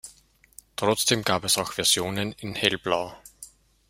Trotzdem gab es auch Versionen in Hellblau.